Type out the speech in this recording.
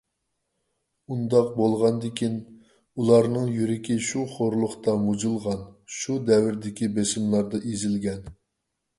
ئۇنداق بولغاندىكىن، ئۇلارنىڭ يۈرىكى شۇ خورلۇقتا مۇجۇلغان، شۇ دەۋردىكى بېسىملاردا ئېزىلگەن.